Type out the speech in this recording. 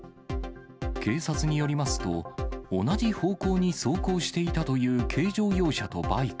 警察によりますと、同じ方向に走行していたという軽乗用車とバイク。